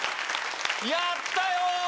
やったよ！